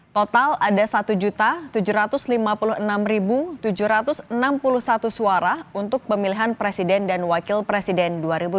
total ada satu tujuh ratus lima puluh enam tujuh ratus enam puluh satu suara untuk pemilihan presiden dan wakil presiden dua ribu dua puluh